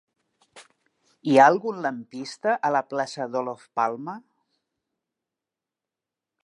Hi ha algun lampista a la plaça d'Olof Palme?